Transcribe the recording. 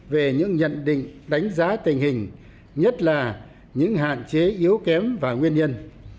về những nhận định đánh giá tình hình nhất là những hạn chế yếu kém và nguyên nhân